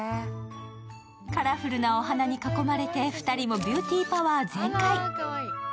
カラフルなお花に囲まれて２人もビューティーパワー全開。